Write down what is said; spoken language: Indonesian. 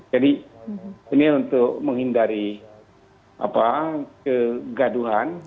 jadi ini untuk menghindari kegaduhan